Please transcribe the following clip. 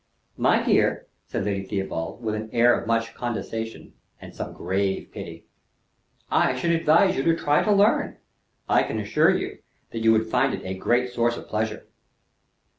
"My dear," said Lady Theobald, with an air of much condescension and some grave pity, "I should advise you to try to learn. I can assure you that you would find it a great source of pleasure."